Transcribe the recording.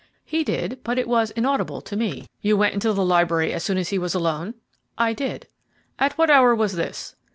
"He did, but it was inaudible to me." "You went into the library as soon as he was alone?" "I did." "At what hour was this?"